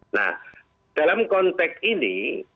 nah dalam konteks ini